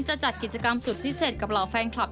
จัดกิจกรรมสุดพิเศษกับเหล่าแฟนคลับ